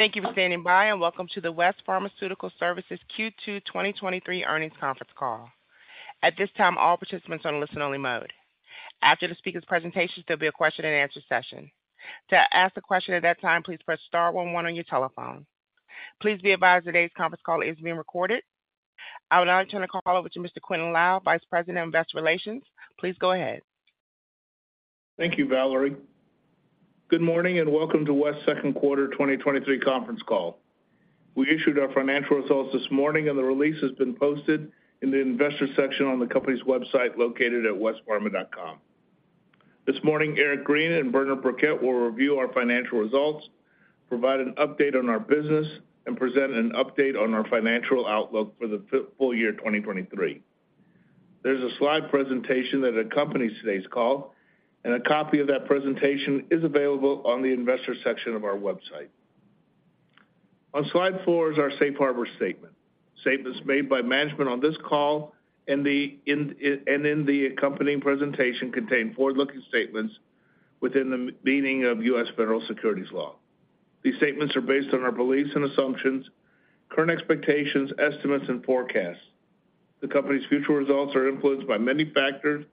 Thank you for standing by. Welcome to the West Pharmaceutical Services Q2 2023 earnings conference call. At this time, all participants are on listen-only mode. After the speaker's presentation, there'll be a question-and-answer session. To ask a question at that time, please press star one one on your telephone. Please be advised today's conference call is being recorded. I would now turn the call over to Mr. Quintin Lai, Vice President of Investor Relations. Please go ahead. Thank you, Valerie. Good morning, welcome to West's second quarter 2023 conference call. We issued our financial results this morning, the release has been posted in the investor section on the company's website, located at westpharma.com. This morning, Eric Green and Bernard Birkett will review our financial results, provide an update on our business, and present an update on our financial outlook for the full year 2023. There's a slide presentation that accompanies today's call, a copy of that presentation is available on the Investor section of our website. On slide four is our safe harbor statement. Statements made by management on this call and in the accompanying presentation contain forward-looking statements within the meaning of U.S. Federal Securities law. These statements are based on our beliefs and assumptions, current expectations, estimates, and forecasts. The company's future results are influenced by many factors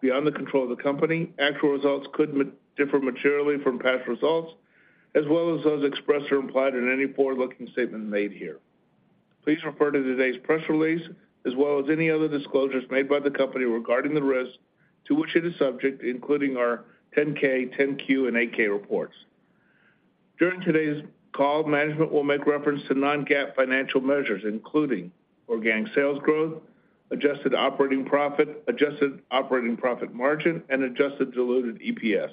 beyond the control of the company. Actual results could differ materially from past results, as well as those expressed or implied in any forward-looking statement made here. Please refer to today's press release, as well as any other disclosures made by the company regarding the risks to which it is subject, including our 10-K, 10-Q, and 8-K reports. During today's call, management will make reference to non-GAAP financial measures, including organic sales growth, adjusted operating profit, adjusted operating profit margin, and adjusted diluted EPS.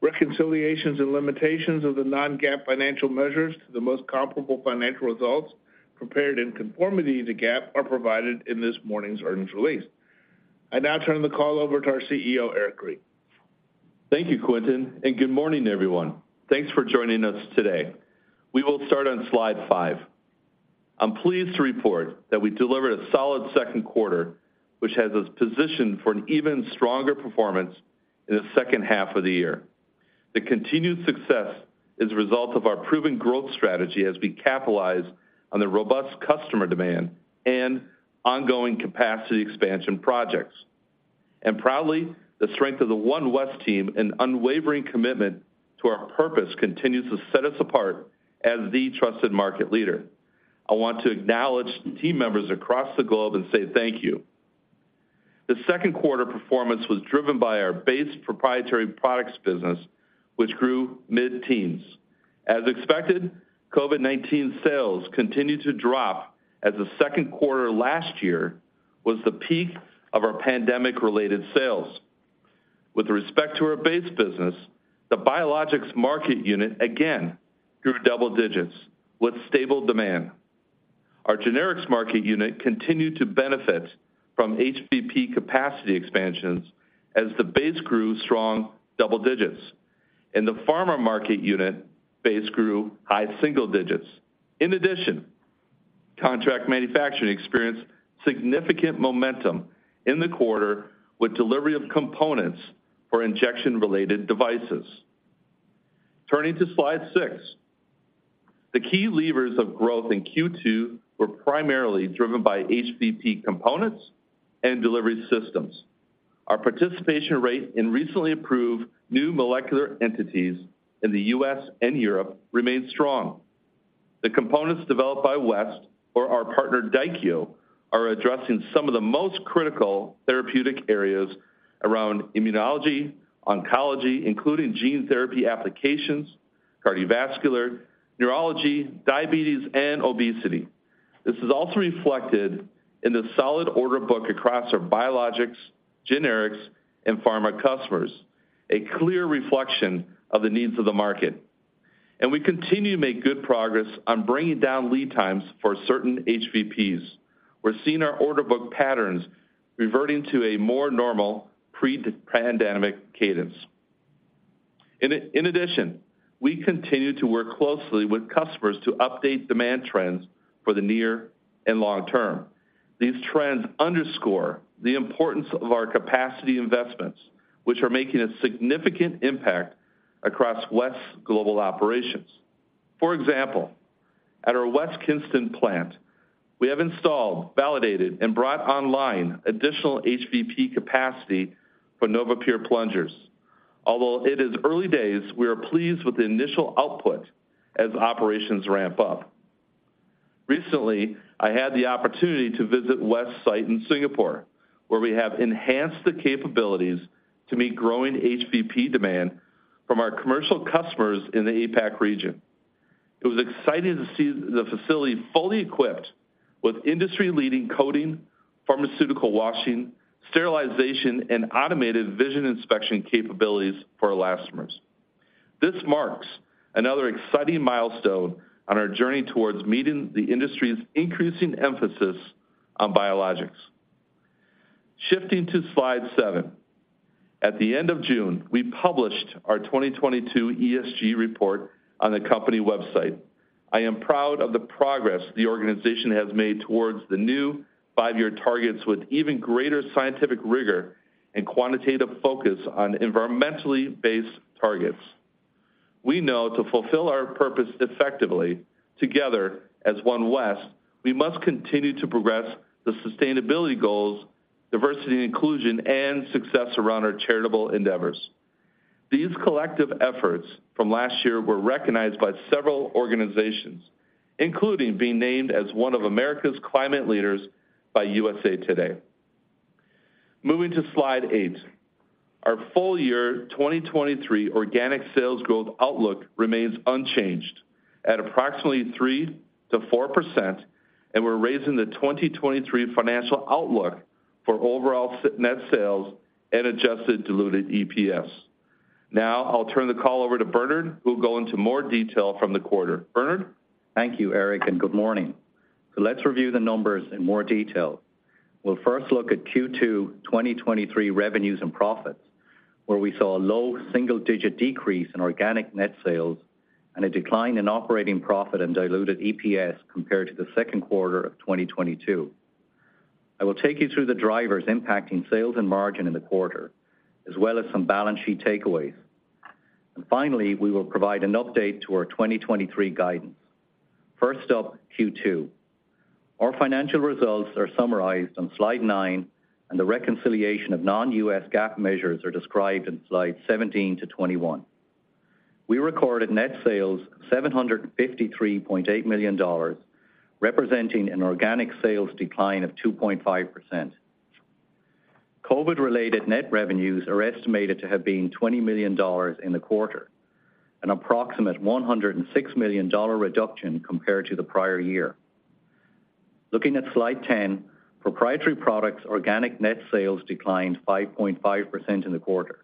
Reconciliations and limitations of the non-GAAP financial measures to the most comparable financial results prepared in conformity to GAAP are provided in this morning's earnings release. I now turn the call over to our CEO, Eric Green. Thank you, Quintin, and good morning, everyone. Thanks for joining us today. We will start on slide five. I'm pleased to report that we delivered a solid second quarter, which has us positioned for an even stronger performance in the second half of the year. The continued success is a result of our proven growth strategy as we capitalize on the robust customer demand and ongoing capacity expansion projects. Proudly, the strength of the One West Team and unwavering commitment to our purpose continues to set us apart as the trusted market leader. I want to acknowledge team members across the globe and say thank you. The second quarter performance was driven by our base proprietary products business, which grew mid-teens. As expected, COVID-19 sales continued to drop as the second quarter last year was the peak of our pandemic-related sales. With respect to our base business, the Biologics market unit again grew double digits with stable demand. Our Generics market unit continued to benefit from HVP capacity expansions as the base grew strong double digits. The Pharma market unit base grew high single digits. In addition, Contract Manufacturing experienced significant momentum in the quarter with delivery of components for injection-related devices. Turning to slide six. The key levers of growth in Q2 were primarily driven by HVP components and delivery systems. Our participation rate in recently approved new molecular entities in the U.S. and Europe remained strong. The components developed by West or our partner, Daikyo, are addressing some of the most critical therapeutic areas around immunology, oncology, including gene therapy applications, cardiovascular, neurology, diabetes, and obesity. This is also reflected in the solid order book across our Biologics, Generics, and Pharma customers, a clear reflection of the needs of the market. We continue to make good progress on bringing down lead times for certain HVPs. We're seeing our order book patterns reverting to a more normal pre-pandemic cadence. In addition, we continue to work closely with customers to update demand trends for the near and long term. These trends underscore the importance of our capacity investments, which are making a significant impact across West's global operations. For example, at our West Kinston plant, we have installed, validated, and brought online additional HVP capacity for NovaPure plungers. Although it is early days, we are pleased with the initial output as operations ramp up. Recently, I had the opportunity to visit West's site in Singapore, where we have enhanced the capabilities to meet growing HVP demand from our commercial customers in the APAC region. It was exciting to see the facility fully equipped with industry-leading coding, pharmaceutical washing, sterilization, and automated vision inspection capabilities for elastomers. This marks another exciting milestone on our journey towards meeting the industry's increasing emphasis on biologics. Shifting to slide seven. At the end of June, we published our 2022 ESG report on the company website. I am proud of the progress the organization has made towards the new five-year targets with even greater scientific rigor and quantitative focus on environmentally based targets. We know to fulfill our purpose effectively, together as One West, we must continue to progress the sustainability goals, diversity and inclusion, and success around our charitable endeavors. These collective efforts from last year were recognized by several organizations, including being named as one of America's climate leaders by USA Today. Moving to Slide eight. Our full year 2023 organic sales growth outlook remains unchanged at approximately 3%-4%, and we're raising the 2023 financial outlook for overall net sales and adjusted diluted EPS. Now, I'll turn the call over to Bernard, who will go into more detail from the quarter. Bernard? Thank you, Eric, and good morning. Let's review the numbers in more detail. We'll first look at Q2 2023 revenues and profits, where we saw a low single-digit decrease in organic net sales and a decline in operating profit and diluted EPS compared to the second quarter of 2022. I will take you through the drivers impacting sales and margin in the quarter, as well as some balance sheet takeaways. Finally, we will provide an update to our 2023 guidance. First up, Q2. Our financial results are summarized on Slide nine, and the reconciliation of non-GAAP measures are described in Slides 17-21. We recorded net sales of $753.8 million, representing an organic sales decline of 2.5%. COVID-related net revenues are estimated to have been $20 million in the quarter, an approximate $106 million reduction compared to the prior year. Looking at Slide 10, proprietary products organic net sales declined 5.5% in the quarter.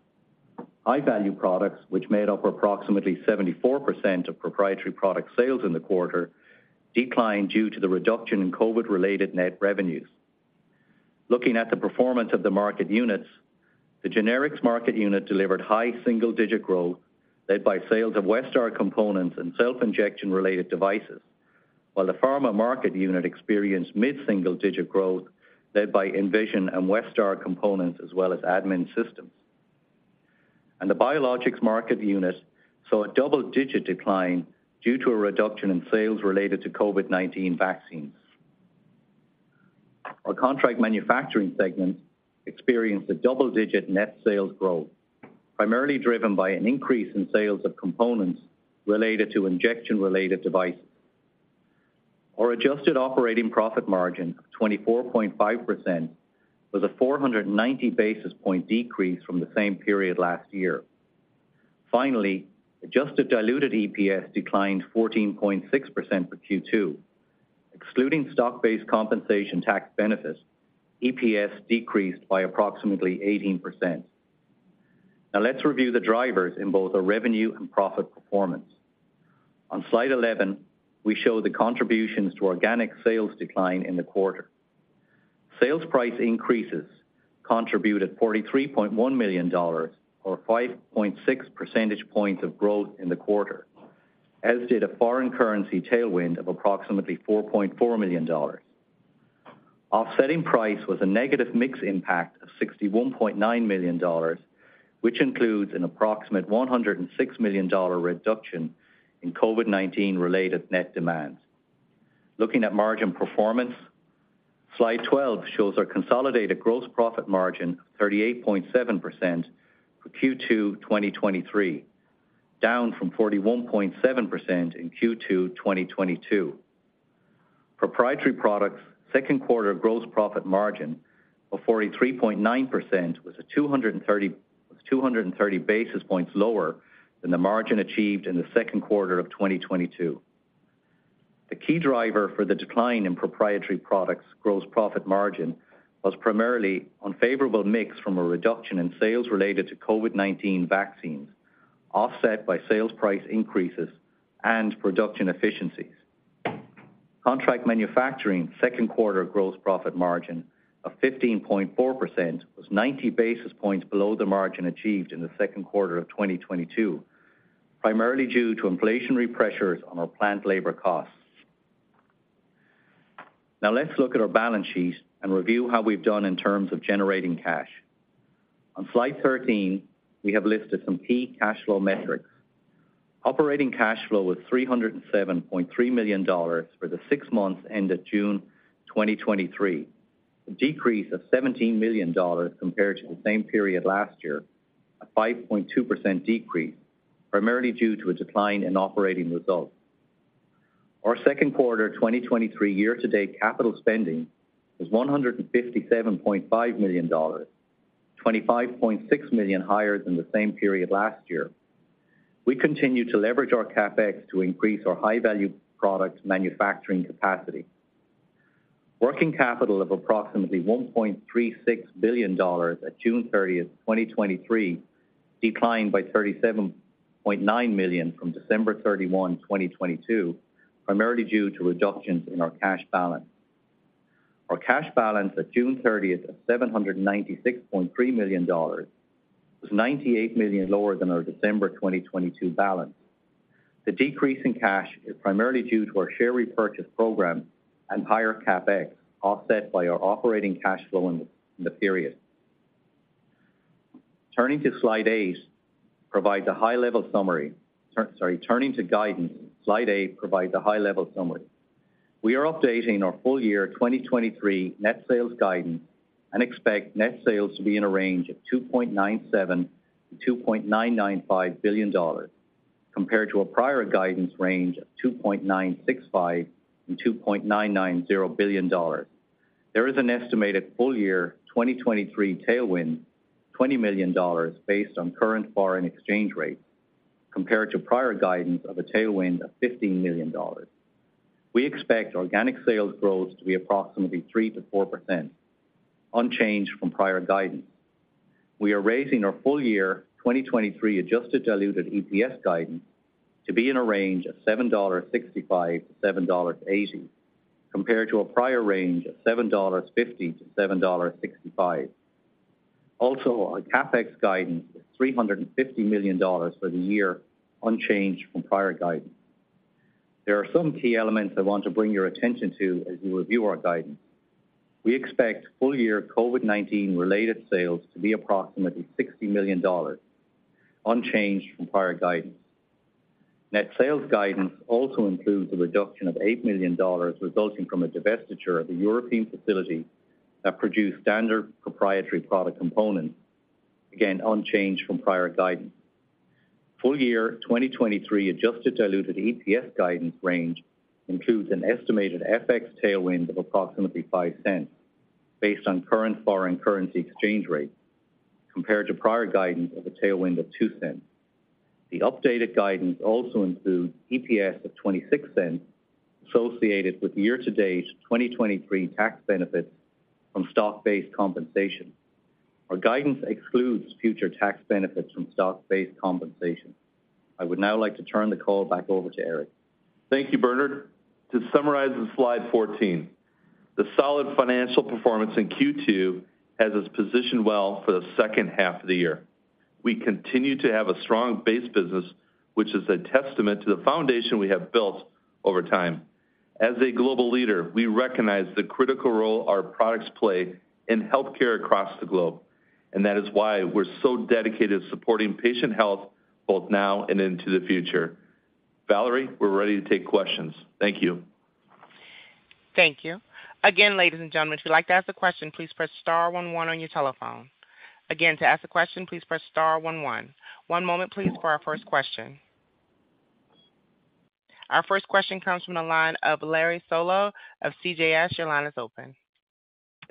High-value products, which made up approximately 74% of proprietary product sales in the quarter, declined due to the reduction in COVID-related net revenues. Looking at the performance of the market units, the generics market unit delivered high single-digit growth, led by sales of Westar components and self-injection-related devices, while the pharma market unit experienced mid-single-digit growth, led by Envision and Westar components, as well as administration systems. The biologics market unit saw a double-digit decline due to a reduction in sales related to COVID-19 vaccines. Our Contract Manufacturing segment experienced a double-digit net sales growth, primarily driven by an increase in sales of components related to injection-related devices. Our adjusted operating profit margin of 24.5% was a 490 basis point decrease from the same period last year. Finally, adjusted diluted EPS declined 14.6% for Q2. Excluding stock-based compensation tax benefits, EPS decreased by approximately 18%. Now let's review the drivers in both our revenue and profit performance. On Slide 11, we show the contributions to organic sales decline in the quarter. Sales price increases contributed $43.1 million or 5.6 percentage points of growth in the quarter, as did a foreign currency tailwind of approximately $4.4 million. Offsetting price was a negative mix impact of $61.9 million, which includes an approximate $106 million reduction in COVID-19-related net demands. Looking at margin performance, Slide 12 shows our consolidated gross profit margin of 38.7% for Q2 2023, down from 41.7% in Q2 2022. Proprietary products' second quarter gross profit margin of 43.9% was 230 basis points lower than the margin achieved in the second quarter of 2022. The key driver for the decline in proprietary products' gross profit margin was primarily unfavorable mix from a reduction in sales related to COVID-19 vaccines, offset by sales price increases and production efficiencies. Contract Manufacturing second quarter gross profit margin of 15.4% was 90 basis points below the margin achieved in the second quarter of 2022, primarily due to inflationary pressures on our plant labor costs. Let's look at our balance sheet and review how we've done in terms of generating cash. On Slide 13, we have listed some key cash flow metrics. Operating cash flow was $307.3 million for the six months ended June 2023, a decrease of $17 million compared to the same period last year, a 5.2% decrease, primarily due to a decline in operating results. Our second quarter 2023 year-to-date capital spending was $157.5 million, $25.6 million higher than the same period last year. We continue to leverage our CapEx to increase our high-value products manufacturing capacity. Working capital of approximately $1.36 billion at June 30, 2023, declined by $37.9 million from December 31, 2022, primarily due to reductions in our cash balance. Our cash balance at June 30 of $796.3 million was $98 million lower than our December 2022 balance. The decrease in cash is primarily due to our share repurchase program and higher CapEx, offset by our operating cash flow in the period. Turning to Slide eight provides a high-level summary. Sorry, turning to guidance, Slide eight provides a high-level summary. We are updating our full year 2023 net sales guidance and expect net sales to be in a range of $2.97 billion-$2.995 billion, compared to a prior guidance range of $2.965 billion and $2.990 billion. There is an estimated full year 2023 tailwind, $20 million based on current foreign exchange rate, compared to prior guidance of a tailwind of $15 million. We expect organic sales growth to be approximately 3%-4%, unchanged from prior guidance. We are raising our full year 2023 adjusted diluted EPS guidance to be in a range of $7.65-$7.80, compared to a prior range of $7.50-$7.65. Our CapEx guidance is $350 million for the year, unchanged from prior guidance. There are some key elements I want to bring your attention to as you review our guidance. We expect full year COVID-19 related sales to be approximately $60 million, unchanged from prior guidance. Net sales guidance also includes a reduction of $8 million, resulting from a divestiture of the European facility that produced standard proprietary product components, again, unchanged from prior guidance. Full year 2023 adjusted diluted EPS guidance range includes an estimated FX tailwind of approximately $0.05, based on current foreign currency exchange rate, compared to prior guidance of a tailwind of $0.02. The updated guidance also includes EPS of $0.26 associated with year-to-date 2023 tax benefits from stock-based compensation. Our guidance excludes future tax benefits from stock-based compensation. I would now like to turn the call back over to Eric. Thank you, Bernard. To summarize on slide 14, the solid financial performance in Q2 has us positioned well for the second half of the year. We continue to have a strong base business, which is a testament to the foundation we have built over time. As a global leader, we recognize the critical role our products play in healthcare across the globe, and that is why we're so dedicated to supporting patient health both now and into the future. Valerie, we're ready to take questions. Thank you. Thank you. Again, ladies and gentlemen, if you'd like to ask a question, please press star one one on your telephone. Again, to ask a question, please press star one one. One moment, please, for our first question. Our first question comes from the line of Larry Solow of CJS. Your line is open.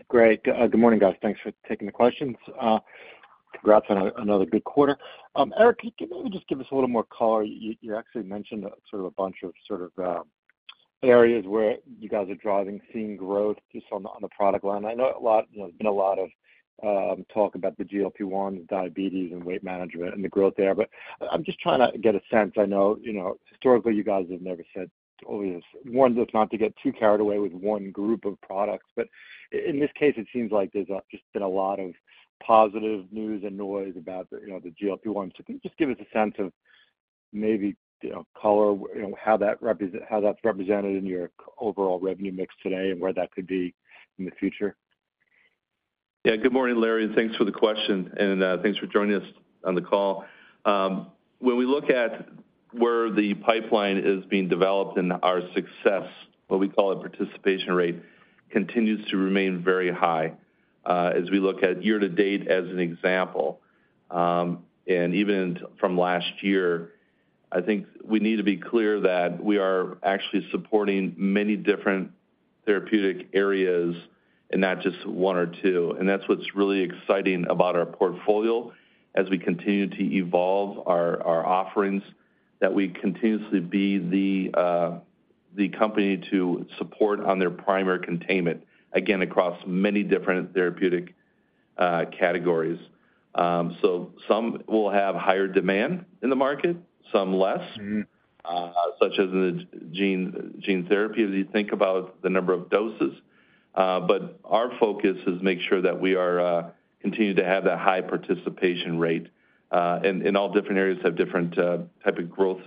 Great. Good morning, guys. Thanks for taking the questions. Congrats on another good quarter. Eric, can maybe just give us a little more color. You actually mentioned sort of a bunch of sort of areas where you guys are driving, seeing growth just on the, on the product line. I know a lot, you know, there's been a lot of talk about the GLP-1, diabetes and weight management and the growth there, but I'm just trying to get a sense. I know, you know, historically, you guys have never said, always, one, just not to get too carried away with one group of products, but in this case, it seems like there's just been a lot of positive news and noise about the, you know, the GLP-1. Can you just give us a sense of maybe, you know, color, you know, how that's represented in your overall revenue mix today and where that could be in the future? Good morning, Larry, and thanks for the question, and thanks for joining us on the call. When we look at where the pipeline is being developed and our success, what we call our participation rate, continues to remain very high, as we look at year to date as an example, and even from last year, I think we need to be clear that we are actually supporting many different therapeutic areas and not just one or two. That's what's really exciting about our portfolio as we continue to evolve our offerings, that we continuously be the company to support on their primary containment, again, across many different therapeutic categories. Some will have higher demand in the market, some less... Mm-hmm. such as in the gene therapy, as you think about the number of doses. Our focus is make sure that we are, continue to have that high participation rate, and all different areas have different, type of growth,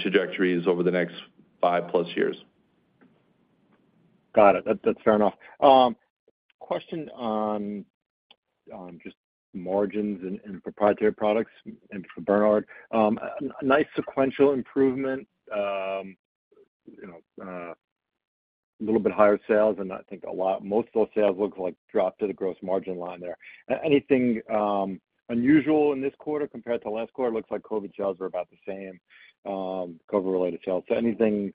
trajectories over the next 5+ years. Got it. That's fair enough. Question on just margins and proprietary products and for Bernard. A nice sequential improvement, you know, a little bit higher sales, and I think most of those sales looks like dropped to the gross margin line there. Anything unusual in this quarter compared to last quarter? It looks like COVID sales were about the same, COVID-related sales. Anything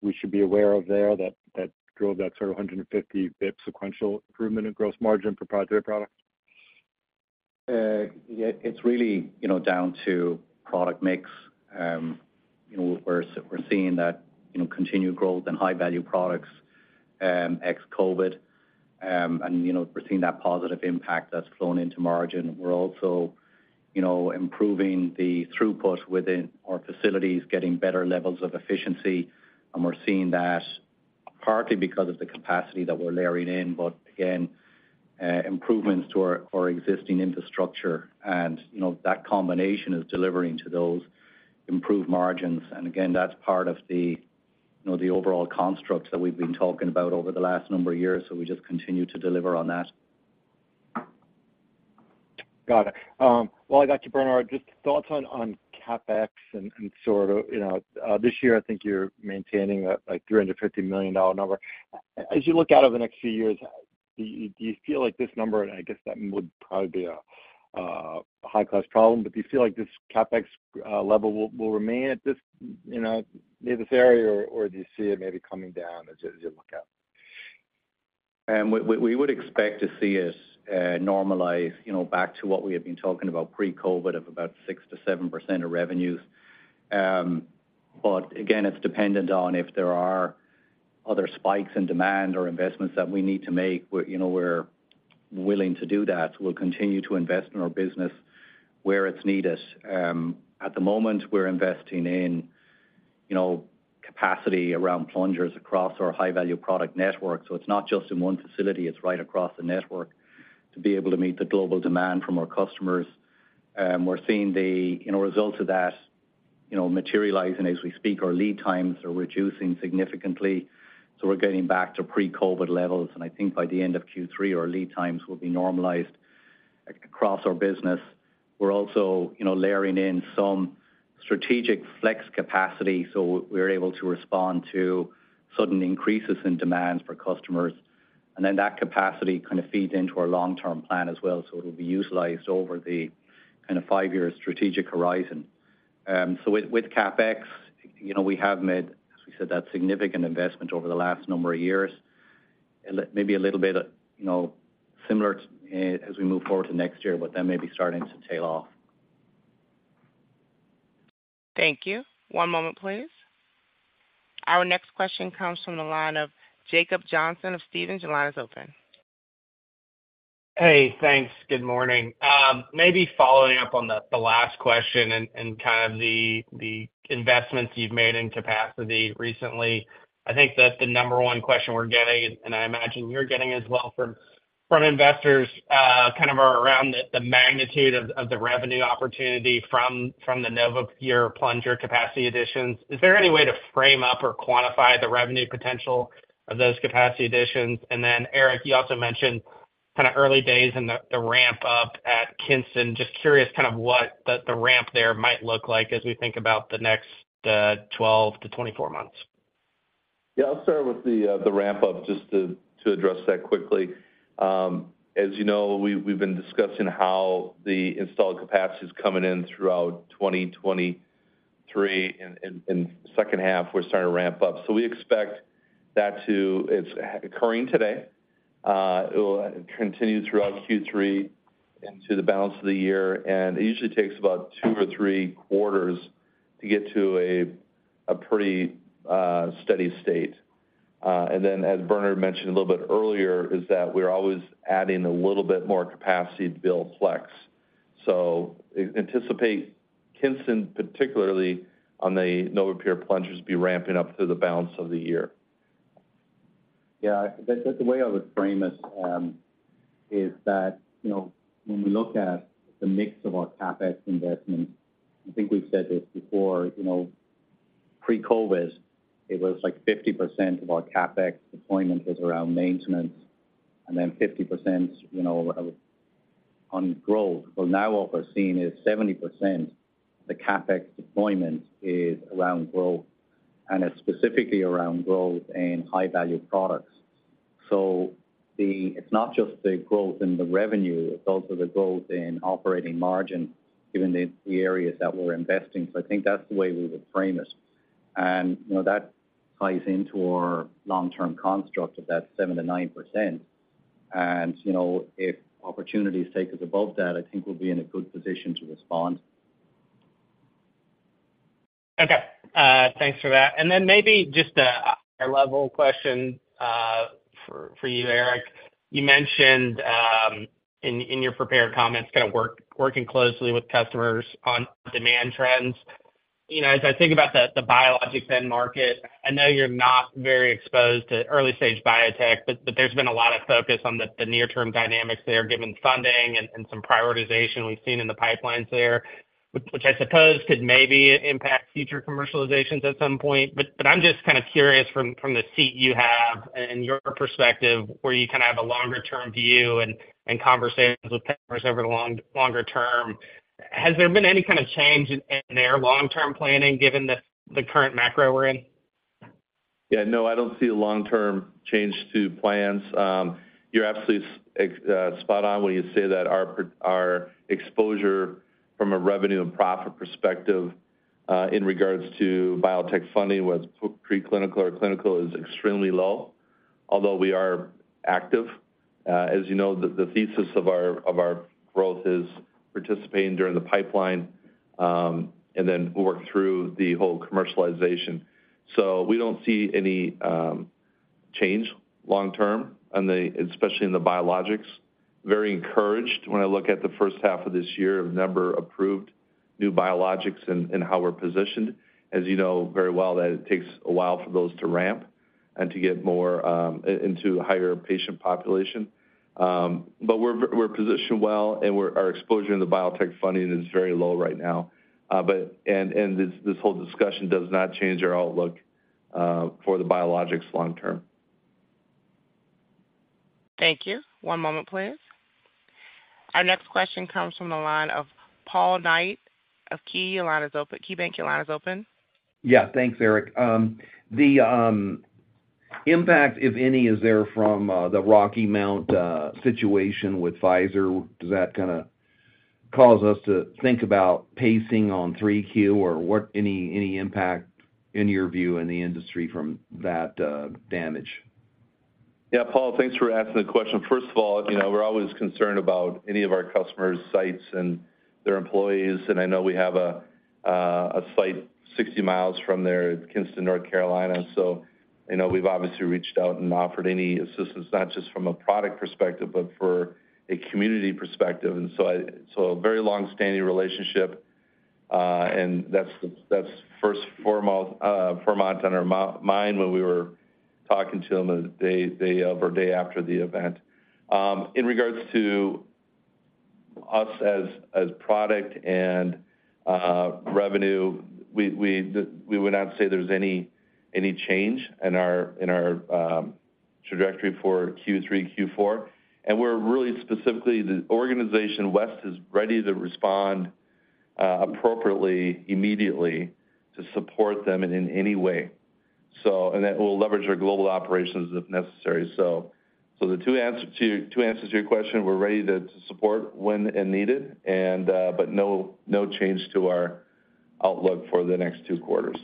we should be aware of there that drove that sort of 150 basis points sequential improvement in gross margin proprietary products? Yeah, it's really, you know, down to product mix. You know, we're, we're seeing that, you know, continued growth in high-value products, ex-COVID, and, you know, we're seeing that positive impact that's flowing into margin. We're also, you know, improving the throughput within our facilities, getting better levels of efficiency, and we're seeing that partly because of the capacity that we're layering in, but again, improvements to our, our existing infrastructure. You know, that combination is delivering to those improved margins. Again, that's part of the, you know, the overall construct that we've been talking about over the last number of years. We just continue to deliver on that. Got it. While I got you, Bernard, just thoughts on CapEx and sort of, you know, this year, I think you're maintaining that, like, $350 million number. As you look out over the next few years, do you feel like this number, and I guess that would probably be a high-class problem, but do you feel like this CapEx level will remain at this, you know, near this area, or do you see it maybe coming down as you look out? We would expect to see us normalize, you know, back to what we had been talking about pre-COVID, of about 6%-7% of revenues. Again, it's dependent on if there are other spikes in demand or investments that we need to make, we're, you know, we're willing to do that. We'll continue to invest in our business where it's needed. At the moment, we're investing in, you know, capacity around plungers across our high-value product network. It's not just in one facility, it's right across the network, to be able to meet the global demand from our customers. We're seeing the, you know, results of that, you know, materialize, and as we speak, our lead times are reducing significantly. We're getting back to pre-COVID levels, and I think by the end of Q3, our lead times will be normalized across our business. We're also, you know, layering in some strategic flex capacity, so we're able to respond to sudden increases in demand for customers. That capacity kind of feeds into our long-term plan as well, so it'll be utilized over the kind of five-year strategic horizon. With CapEx, you know, we have made, as we said, that significant investment over the last number of years. Maybe a little bit, you know, similar to, as we move forward to next year, but that may be starting to tail off. Thank you. One moment, please. Our next question comes from the line of Jacob Johnson of Stephens. Your line is open. Hey, thanks. Good morning. Maybe following up on the, the last question and, and kind of the, the investments you've made in capacity recently. I think that's the number one question we're getting, and, and I imagine you're getting as well from, from investors, kind of around the, the magnitude of, of the revenue opportunity from, from the NovaPure plunger capacity additions. Is there any way to frame up or quantify the revenue potential of those capacity additions? Eric, you also mentioned kind of early days in the, the ramp up at Kinston. Just curious kind of what the, the ramp there might look like as we think about the next 12-24 months. Yeah. I'll start with the ramp up, just to address that quickly. As you know, we've been discussing how the installed capacity is coming in throughout 2023, and second half, we're starting to ramp up. We expect it's occurring today. It will continue throughout Q3 into the balance of the year, and it usually takes about two or three quarters to get to a pretty steady state. As Bernard mentioned a little bit earlier, we're always adding a little bit more capacity to build flex. Anticipate Kinston, particularly on the NovaPure plungers, be ramping up through the balance of the year. Yeah, the way I would frame it, is that, you know, when we look at the mix of our CapEx investments, I think we've said this before, you know, pre-COVID, it was like 50% of our CapEx deployment was around maintenance, and then 50%, you know, on growth. Well, now what we're seeing is 70% the CapEx deployment is around growth, and it's specifically around growth in high-value products. It's not just the growth in the revenue, it's also the growth in operating margin, given the areas that we're investing. I think that's the way we would frame it. You know, that ties into our long-term construct of that 7%-9%. You know, if opportunities take us above that, I think we'll be in a good position to respond. Okay, thanks for that. Maybe just a higher-level question for you, Eric. You mentioned in your prepared comments, kind of working closely with customers on demand trends. You know, as I think about the biologics end market, I know you're not very exposed to early-stage biotech, but there's been a lot of focus on the near-term dynamics there, given funding and some prioritization we've seen in the pipelines there, which I suppose could maybe impact future commercializations at some point. I'm just kind of curious from the seat you have and your perspective, where you kind of have a longer-term view and conversations with partners over the longer term, has there been any kind of change in their long-term planning, given the current macro we're in? No, I don't see a long-term change to plans. You're absolutely spot on when you say that our exposure from a revenue and profit perspective, in regards to biotech funding, whether it's preclinical or clinical, is extremely low, although we are active. As you know, the thesis of our growth is participating during the pipeline, and then work through the whole commercialization. We don't see any change long term on the especially in the biologics. Very encouraged when I look at the first half of this year of number approved new biologics and how we're positioned. As you know very well, that it takes a while for those to ramp and to get more into a higher patient population. We're positioned well, and our exposure in the biotech funding is very low right now. This whole discussion does not change our outlook for the biologics long term. Thank you. One moment, please. Our next question comes from the line of Paul Knight of KeyBanc, your line is open. Yeah, thanks, Eric. The impact, if any, is there from the Rocky Mount situation with Pfizer? Does that kinda cause us to think about pacing on 3Q or what any impact in your view in the industry from that damage? Yeah, Paul, thanks for asking the question. First of all, you know, we're always concerned about any of our customers' sites and their employees, I know we have a site 60 mi from there in Kinston, North Carolina. I know we've obviously reached out and offered any assistance, not just from a product perspective, but for a community perspective. So a very long-standing relationship, and that's foremost on our mind when we were talking to them the day or day after the event. In regards to us as product and revenue, we would not say there's any change in our trajectory for Q3, Q4. We're really specifically, the organization West, is ready to respond appropriately, immediately to support them in any way. That we'll leverage our global operations if necessary. The two answers to your question, we're ready to support when and needed, and, but no change to our outlook for the next two quarters.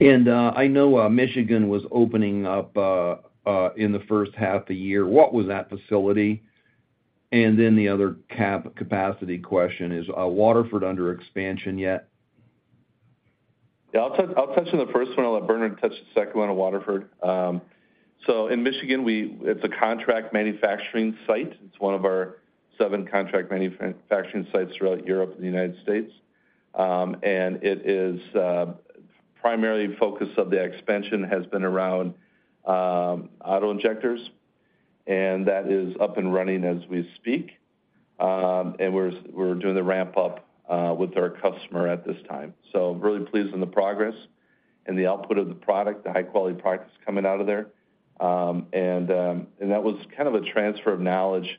I know Michigan was opening up in the first half of the year. What was that facility? The other capacity question, is Waterford under expansion yet? Yeah. I'll touch on the first one. I'll let Bernard touch the second one on Waterford. In Michigan, it's a Contract Manufacturing site. It's one of our seven Contract Manufacturing sites throughout Europe and the United States. It is primarily focus of the expansion has been around autoinjectors, and that is up and running as we speak. We're doing the ramp up with our customer at this time. Really pleased in the progress and the output of the product, the high-quality products coming out of there. That was kind of a transfer of knowledge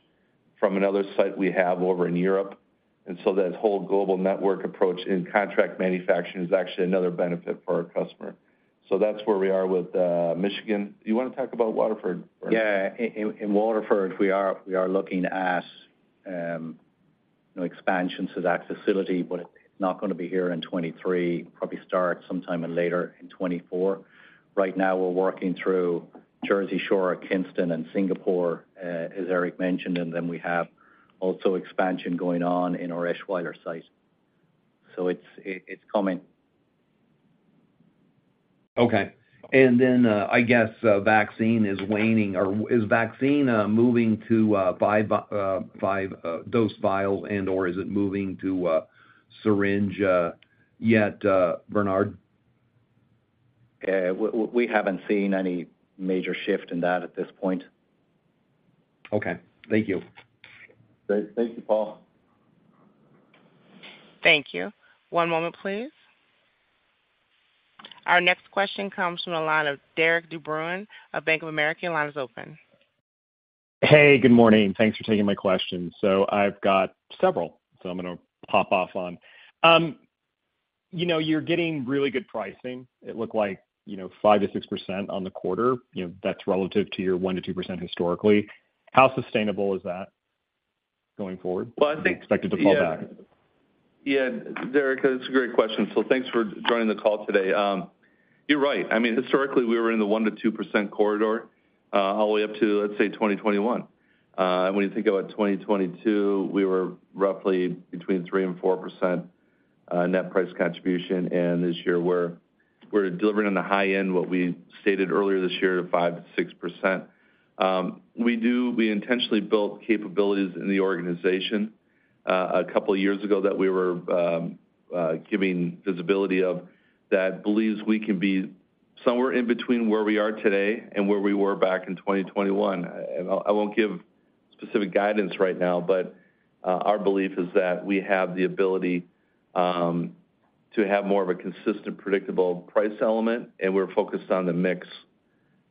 from another site we have over in Europe, and that whole global network approach in Contract Manufacturing is actually another benefit for our customer. That's where we are with Michigan. Do you want to talk about Waterford, Bernard? Yeah. In Waterford, we are looking at, you know, expansions to that facility, but it's not going to be here in 2023. Probably start sometime in later in 2024. Right now, we're working through Jersey Shore, Kinston, and Singapore, as Eric mentioned, and then we have also expansion going on in our Eschweiler site. It's coming. Okay. Then, I guess, vaccine is waning? Is vaccine moving to five dose vials and/or is it moving to syringe yet, Bernard? We haven't seen any major shift in that at this point. Okay. Thank you. Thank you, Paul. Thank you. One moment, please. Our next question comes from the line of Derik De Bruin of Bank of America. Your line is open. Hey, good morning. Thanks for taking my question. I've got several, so I'm going to pop off on. you know, you're getting really good pricing. It looked like, you know, 5%-6% on the quarter. That's relative to your 1%-2% historically. How sustainable is that going forward? Well. Expected to fall back. Yeah, Derik, it's a great question. Thanks for joining the call today. You're right. I mean, historically, we were in the 1%-2% corridor, all the way up to, let's say, 2021. When you think about 2022, we were roughly between 3%-4% net price contribution, and this year we're delivering on the high end what we stated earlier this year, of 5%-6%. We intentionally built capabilities in the organization a couple of years ago that we were giving visibility of, that believes we can be somewhere in between where we are today and where we were back in 2021. I won't give specific guidance right now, but our belief is that we have the ability to have more of a consistent, predictable price element, and we're focused on the mix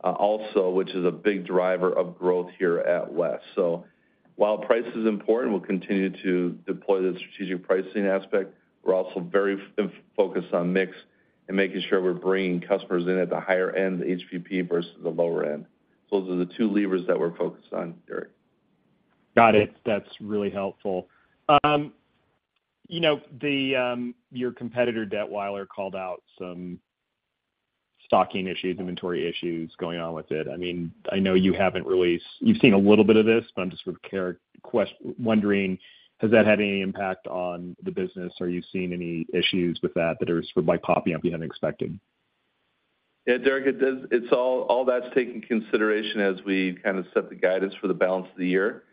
also, which is a big driver of growth here at West. While price is important, we'll continue to deploy the strategic pricing aspect. We're also very focused on mix and making sure we're bringing customers in at the higher end, the HVP, versus the lower end. Those are the two levers that we're focused on, Derik. Got it. That's really helpful. You know, the, your competitor, Datwyler, called out some stocking issues, inventory issues going on with it. I mean, I know you haven't you've seen a little bit of this, but I'm just sort of wondering, has that had any impact on the business? Are you seeing any issues with that, that are sort of, like, popping up unexpected? Yeah, Derik, it does, it's all that's taken consideration as we kind of set the guidance for the balance of the year.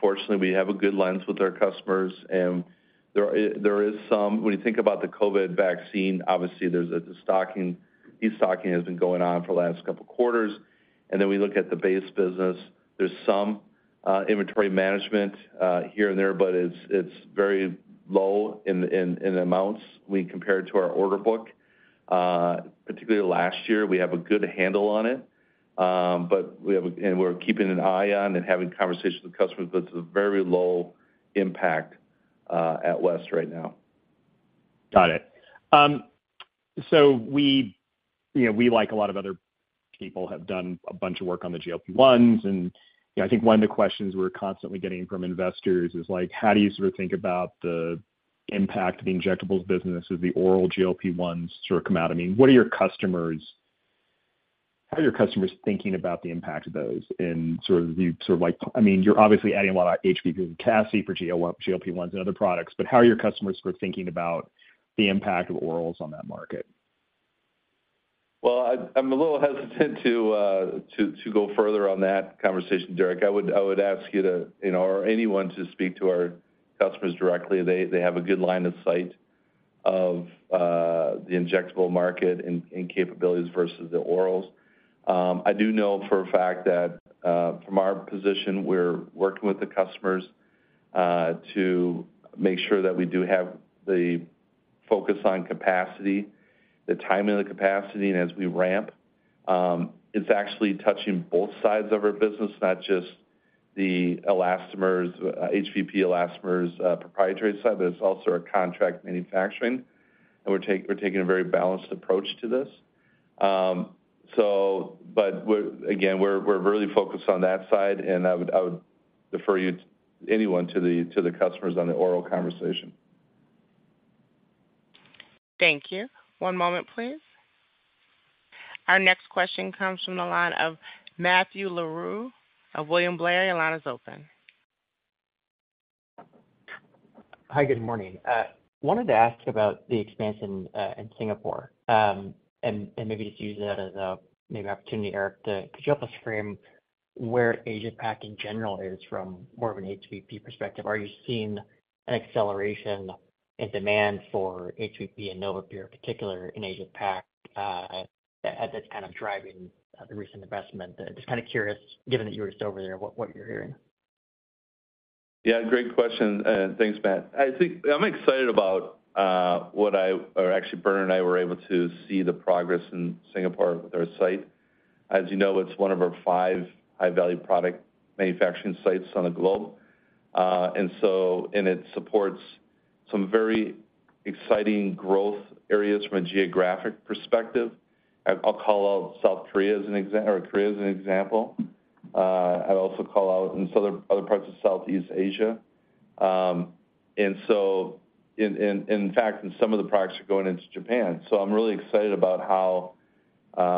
Fortunately, we have a good lens with our customers, and there is some, when you think about the COVID vaccine, obviously, there's a stocking. De-stocking has been going on for the last couple of quarters, and then we look at the base business. There's some inventory management here and there, but it's very low in amounts when we compare it to our order book. Particularly last year, we have a good handle on it, but we're keeping an eye on and having conversations with customers, but it's a very low impact at West right now. Got it. We, you know, we, like a lot of other people, have done a bunch of work on the GLP-1s, and, you know, I think one of the questions we're constantly getting from investors is, like, how do you sort of think about the impact of the injectables business as the oral GLP-1s sort of come out? I mean, how are your customers thinking about the impact of those in sort of the, sort of like, I mean, you're obviously adding a lot of HVP capacity for GLP-1s and other products, but how are your customers sort of thinking about the impact of orals on that market? I'm a little hesitant to go further on that conversation, Derik. I would ask you to, you know, or anyone to speak to our customers directly. They have a good line of sight of the injectable market and capabilities versus the orals. I do know for a fact that from our position, we're working with the customers to make sure that we do have the focus on capacity, the timing of the capacity, and as we ramp, it's actually touching both sides of our business, not just the elastomers, HVP elastomers, proprietary side, but it's also our Contract Manufacturing, and we're taking a very balanced approach to this. Again, we're really focused on that side, and I would refer you to anyone, to the customers on the oral conversation. Thank you. One moment, please. Our next question comes from the line of Matt Larew of William Blair. Your line is open. Hi, good morning. Wanted to ask about the expansion in Singapore, and maybe just use that as a maybe opportunity, Eric, could you help us frame where Asia Pac in general is from more of an HVP perspective? Are you seeing an acceleration in demand for HVP and NovaPure, particularly in Asia Pac, that's kind of driving the recent investment? Just kind of curious, given that you were just over there, what you're hearing. Great question, and thanks, Matt. I think I'm excited about actually, Bernard and I were able to see the progress in Singapore with our site. As you know, it's one of our five high-value product manufacturing sites on the globe. It supports some very exciting growth areas from a geographic perspective. I'll call out South Korea or Korea as an example. I'd also call out in other parts of Southeast Asia. In fact, in some of the products are going into Japan, so I'm really excited about how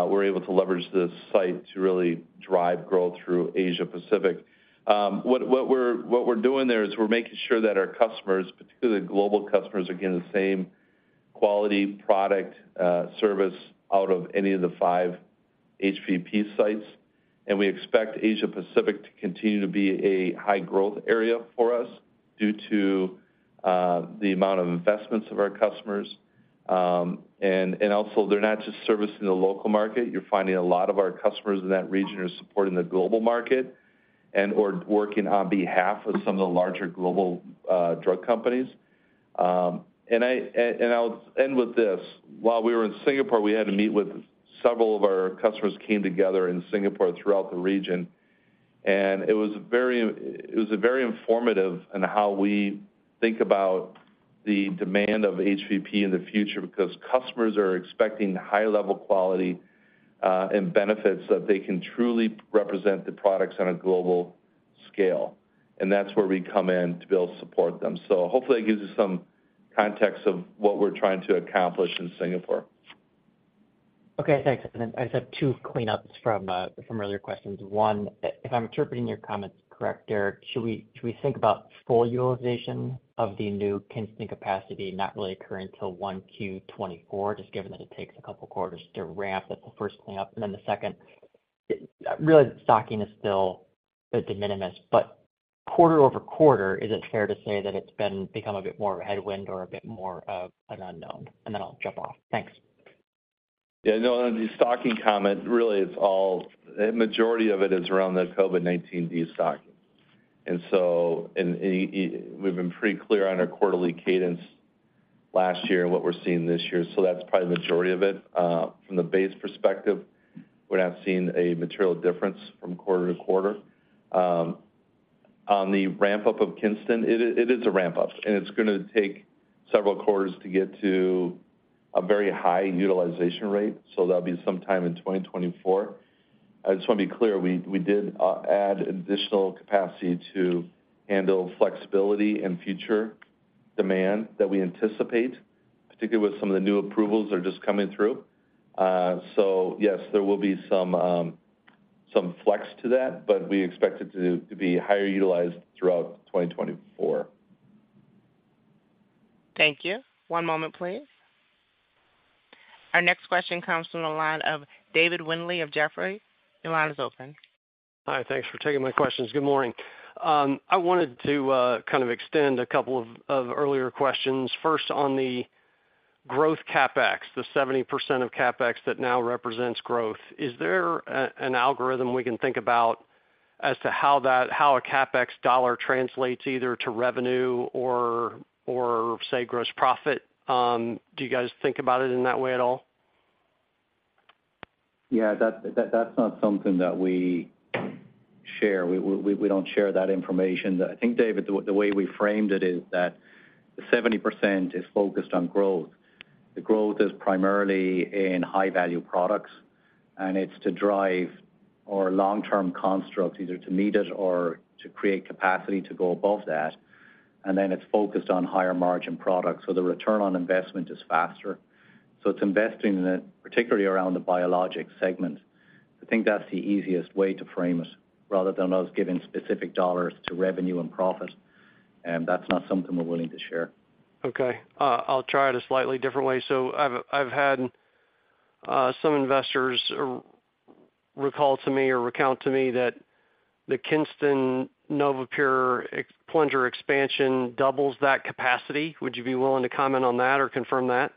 we're able to leverage this site to really drive growth through Asia Pacific. What we're doing there is we're making sure that our customers, particularly the global customers, are getting the same quality, product, service out of any of the five HVP sites. We expect Asia Pacific to continue to be a high-growth area for us due to the amount of investments of our customers. Also, they're not just servicing the local market. You're finding a lot of our customers in that region are supporting the global market and/or working on behalf of some of the larger global drug companies. I'll end with this. While we were in Singapore, we had to meet with several of our customers, came together in Singapore throughout the region, and it was a very informative in how we think about the demand of HVP in the future, because customers are expecting high-level quality and benefits that they can truly represent the products on a global scale, and that's where we come in to be able to support them. Hopefully, that gives you some context of what we're trying to accomplish in Singapore. Okay, thanks. I just have two cleanups from earlier questions. One, if I'm interpreting your comments correct, Derik, should we think about full utilization of the new Kinston capacity not really occurring until 1Q 2024, just given that it takes a couple of quarters to ramp up? That's the first cleanup. The second, really, the stocking is still de minimis, but quarter-over-quarter, is it fair to say that it's been become a bit more of a headwind or a bit more of an unknown? I'll jump off. Thanks. Yeah, no, the stocking comment really is the majority of it is around the COVID-19 de-stocking. We've been pretty clear on our quarterly cadence last year and what we're seeing this year, so that's probably the majority of it. From the base perspective, we're not seeing a material difference from quarter to quarter. On the ramp-up of Kinston, it is a ramp-up, and it's gonna take several quarters to get to a very high utilization rate, so that'll be sometime in 2024. I just want to be clear, we did add additional capacity to handle flexibility and future demand that we anticipate, particularly with some of the new approvals that are just coming through. Yes, there will be some flex to that, but we expect it to be higher utilized throughout 2024. Thank you. One moment, please. Our next question comes from the line of David Windley of Jefferies. Your line is open. Hi, thanks for taking my questions. Good morning. I wanted to kind of extend a couple of earlier questions. First, on the growth CapEx, the 70% of CapEx that now represents growth. Is there an algorithm we can think about as to how a CapEx dollar translates either to revenue or, say, gross profit? Do you guys think about it in that way at all? Yeah, that, that's not something that we share. We don't share that information. I think, David, the way we framed it is that the 70% is focused on growth. The growth is primarily in high-value products. It's to drive our long-term construct, either to meet it or to create capacity to go above that. It's focused on higher margin products, the return on investment is faster. It's investing in it, particularly around the biologic segment. I think that's the easiest way to frame it, rather than us giving specific dollars to revenue and profit. That's not something we're willing to share. I'll try it a slightly different way. I've had some investors recall to me or recount to me that the Kinston NovaPure plunger expansion doubles that capacity. Would you be willing to comment on that or confirm that?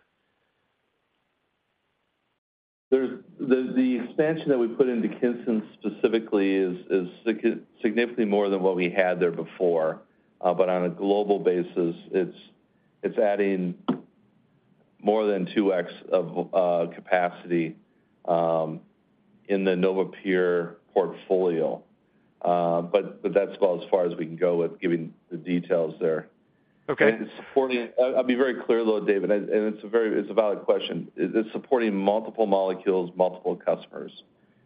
The expansion that we put into Kinston specifically is significantly more than what we had there before. On a global basis, it's adding more than 2X of capacity in the NovaPure portfolio. That's about as far as we can go with giving the details there. Okay. I'll be very clear, though, David, and it's a very, it's a valid question. It's supporting multiple molecules, multiple customers.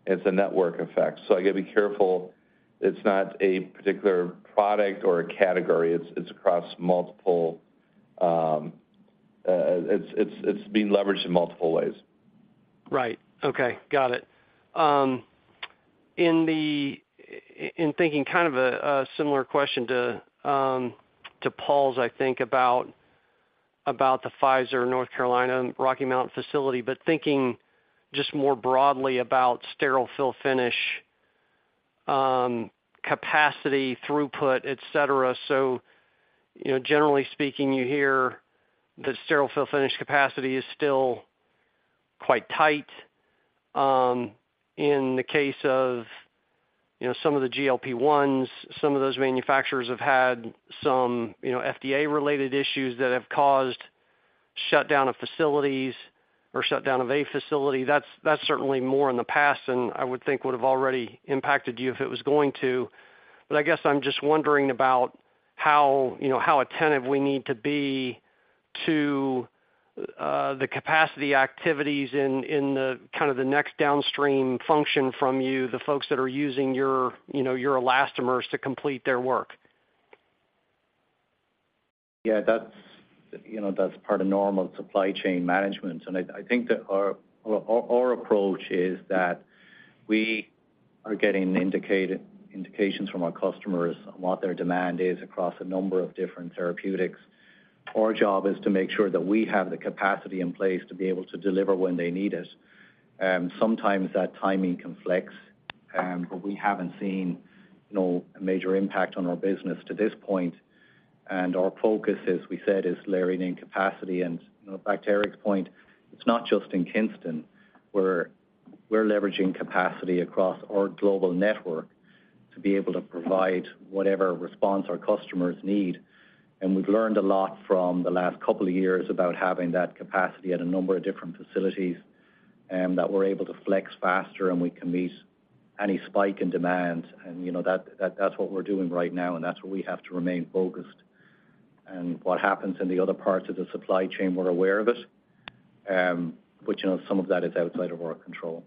It's a network effect, I got to be careful. It's not a particular product or a category. It's across multiple, it's being leveraged in multiple ways. Right. Okay, got it. In the in thinking kind of a, a similar question to Paul's, I think, about the Pfizer, North Carolina, Rocky Mount facility, but thinking just more broadly about sterile fill finish, capacity, throughput, et cetera. You know, generally speaking, you hear that sterile fill finish capacity is still quite tight. In the case of, you know, some of the GLP-1s, some of those manufacturers have had some, you know, FDA-related issues that have caused shutdown of facilities or shutdown of a facility. That's certainly more in the past, and I would think would have already impacted you if it was going to. I guess I'm just wondering about how, you know, how attentive we need to be to the capacity activities in, in the kind of the next downstream function from you, the folks that are using your, you know, your elastomers to complete their work. That's, you know, that's part of normal supply chain management, and I, I think that our, our, our approach is that we are getting indications from our customers on what their demand is across a number of different therapeutics. Sometimes that timing conflicts, but we haven't seen no major impact on our business to this point. Our focus, as we said, is layering in capacity and, you know, back to Eric's point, it's not just in Kinston. We're, we're leveraging capacity across our global network to be able to provide whatever response our customers need. We've learned a lot from the last couple of years about having that capacity at a number of different facilities that we're able to flex faster, and we can meet any spike in demand. You know, that's what we're doing right now, and that's where we have to remain focused. What happens in the other parts of the supply chain, we're aware of it, but, you know, some of that is outside of our control.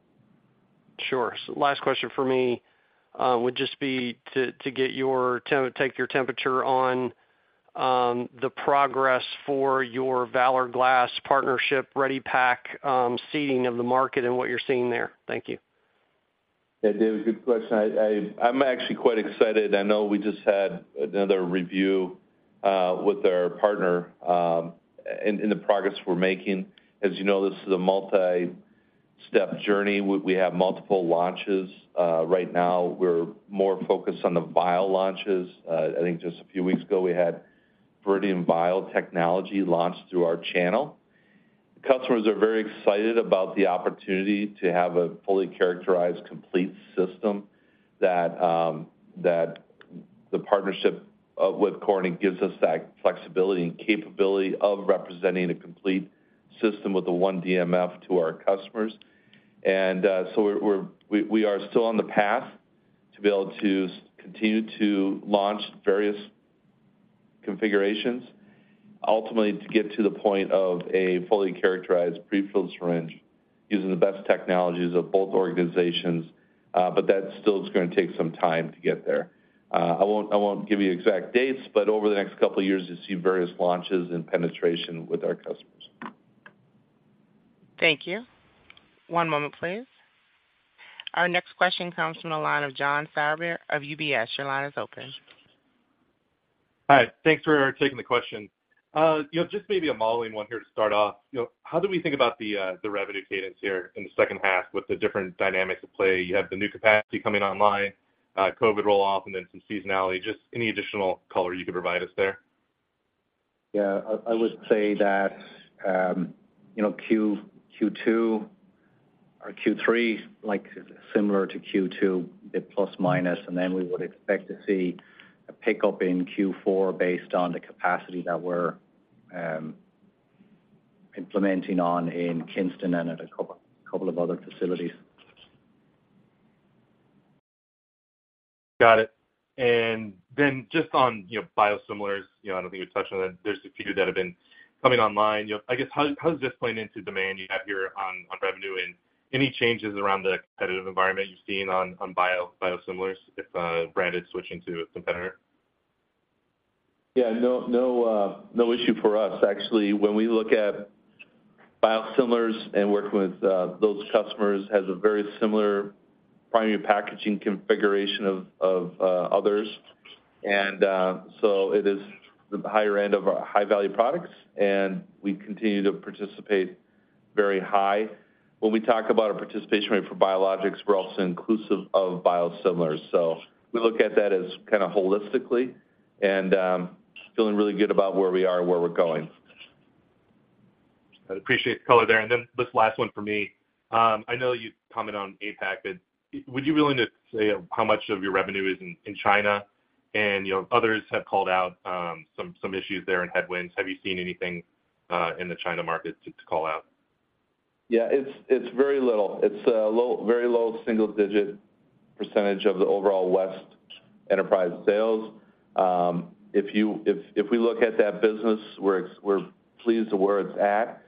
Sure. Last question for me, would just be to take your temperature on the progress for your Valor Glass partnership, ReadyPack, seeding of the market and what you're seeing there. Thank you. Yeah, David, good question. I'm actually quite excited. I know we just had another review with our partner in, in the progress we're making. As you know, this is a multi-step journey. We have multiple launches. Right now, we're more focused on the vial launches. I think just a few weeks ago, we had Viridian Vial Technology launched through our channel. Customers are very excited about the opportunity to have a fully characterized, complete system that the partnership with Corning gives us that flexibility and capability of representing a complete system with the one DMF to our customers. We are still on the path to be able to continue to launch various configurations, ultimately, to get to the point of a fully characterized prefilled syringe using the best technologies of both organizations, but that still is gonna take some time to get there. I won't give you exact dates, but over the next couple of years, you'll see various launches and penetration with our customers. Thank you. One moment, please. Our next question comes from the line of John Keller of UBS. Your line is open. Hi. Thanks for taking the question. you know, just maybe a modeling one here to start off. You know, how do we think about the revenue cadence here in the second half with the different dynamics at play? You have the new capacity coming online, COVID roll-off, and then some seasonality. Just any additional color you could provide us there? Yeah, I would say that, you know, Q2 or Q3, like, similar to Q2, a plus minus, then we would expect to see a pickup in Q4 based on the capacity that we're implementing on in Kinston and at a couple of other facilities. Got it. Just on, you know, biosimilars, you know, I don't think you've touched on it. There's a few that have been coming online. You know, I guess, how is this playing into demand you have here on, on revenue, and any changes around the competitive environment you've seen on, on biosimilars, if branded switching to a competitor? Yeah, no, no, no issue for us. Actually, when we look at biosimilars and working with those customers, has a very similar primary packaging configuration of others. It is the higher end of our high-value products, and we continue to participate very high. When we talk about our participation rate for biologics, we're also inclusive of biosimilars. We look at that as kind of holistically and feeling really good about where we are and where we're going. I appreciate the color there. This last one for me. I know you've commented on APAC, but would you be willing to say how much of your revenue is in China? You know, others have called out, some issues there and headwinds. Have you seen anything in the China market to call out? It's very little. It's a very low single-digit % of the overall West enterprise sales. If we look at that business, we're pleased with where it's at,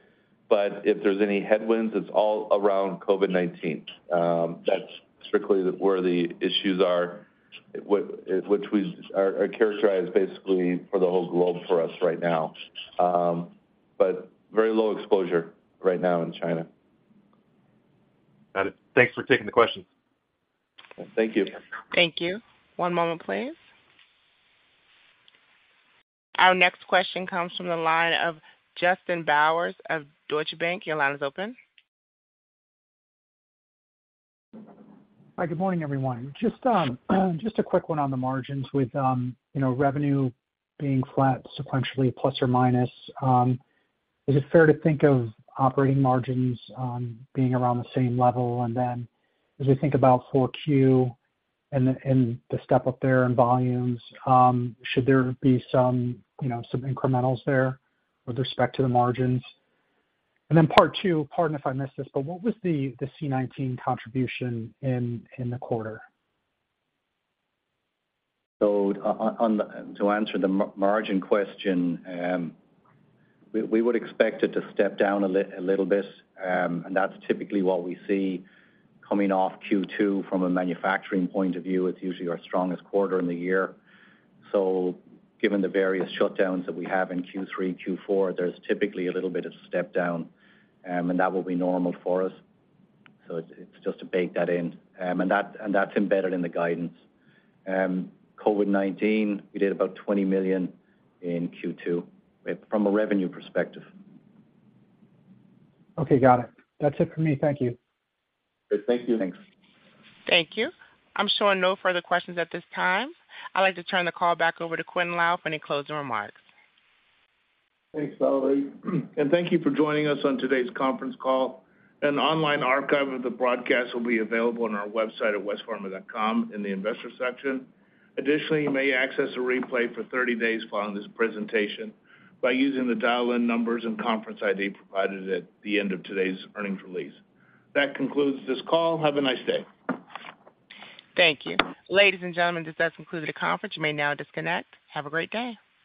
but if there's any headwinds, it's all around COVID-19. That's strictly where the issues are, which we are characterized basically for the whole globe for us right now. Very low exposure right now in China. Got it. Thanks for taking the question. Thank you. Thank you. One moment, please. Our next question comes from the line of Justin Bowers of Deutsche Bank. Your line is open. Hi, good morning, everyone. Just a quick one on the margins with, you know, revenue being flat sequentially, ±. Is it fair to think of operating margins being around the same level? As we think about 4Q and the, and the step up there in volumes, should there be some, you know, some incrementals there with respect to the margins? Part two, pardon if I missed this, but what was the C-19 contribution in the quarter? On the... To answer the margin question, we would expect it to step down a little bit, and that's typically what we see coming off Q2 from a manufacturing point of view. It's usually our strongest quarter in the year. Given the various shutdowns that we have in Q3, Q4, there's typically a little bit of step down, and that will be normal for us. It's just to bake that in. And that's embedded in the guidance. COVID-19, we did about $20 million in Q2 from a revenue perspective. Okay, got it. That's it for me. Thank you. Thank you. Thanks. Thank you. I'm showing no further questions at this time. I'd like to turn the call back over to Quintin Lai for any closing remarks. Thanks, Valerie. Thank you for joining us on today's conference call. An online archive of the broadcast will be available on our website at westpharma.com in the Investor section. Additionally, you may access a replay for 30 days following this presentation by using the dial-in numbers and conference ID provided at the end of today's earnings release. That concludes this call. Have a nice day. Thank you. Ladies and gentlemen, this does conclude the conference. You may now disconnect. Have a great day.